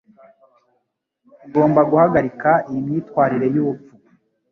Ugomba guhagarika iyi myitwarire yubupfu